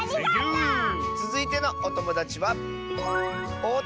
つづいてのおともだちは。